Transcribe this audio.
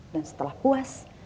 dan setelah puas